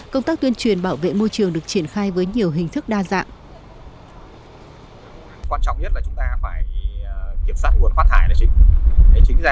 công tác tuyên truyền bảo vệ môi trường được triển khai với nhiều hình thức đa dạng